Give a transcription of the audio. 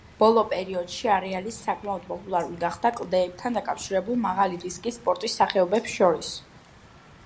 ბოლო პერიოდში არეალი საკმაოდ პოპულარული გახდა კლდეებთან დაკავშირებულ მაღალი რისკის სპორტის სახეობებს შორის.